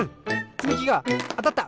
つみきがあたった！